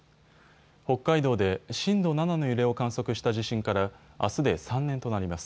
北海道で震度７の揺れを観測した地震から、あすで３年となります。